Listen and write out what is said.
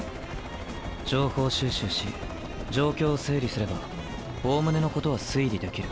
情報収集し状況を整理すればおおむねのことは推理できる。